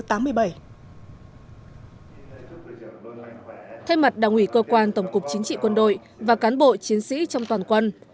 thay mặt đảng ủy cơ quan tổng cục chính trị quân đội và cán bộ chiến sĩ trong toàn quân